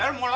eh lu buka